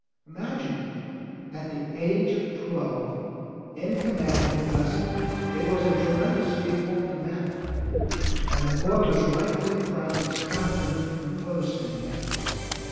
Imagine it! At the age of twelve in command of a vessel. It was a tremendously important event, and the boy was rightfully proud of the confidence reposed in him.